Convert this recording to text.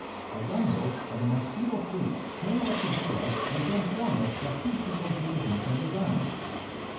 A gun boat of the Mosquito fleet came out to greet us and to inform us that peace negotiations had begun.